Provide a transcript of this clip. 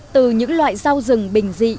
từ những loại rau rừng bình dị